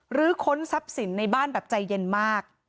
ค้นทรัพย์สินในบ้านแบบใจเย็นมาก